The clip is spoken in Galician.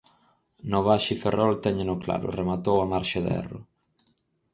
No Baxi Ferrol téñeno claro: rematou a marxe de erro.